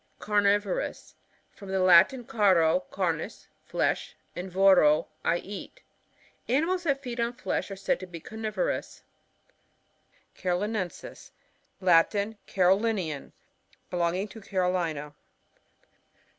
Carnivorous. — From the Latin, caro^ carnis^ flesh, and voro^ I eat. Ani mals that feed on flesh are said to be carnivorous. Carolinensis. — Latin. Carolinian. Belonging to Carolina.